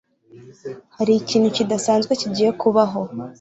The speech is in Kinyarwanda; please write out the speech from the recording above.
Hari ikintu kidasanzwe kigiye kubaho